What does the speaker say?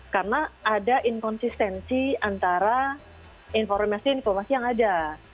karena ada inkonsistensi antara informasi informasi yang ada